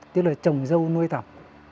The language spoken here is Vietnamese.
tức là trồng dâu nuôi tập